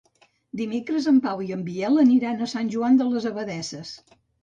Dimecres en Pau i en Biel aniran a Sant Joan de les Abadesses.